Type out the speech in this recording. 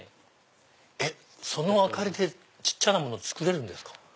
その明かりで小っちゃなもの作れるんですか？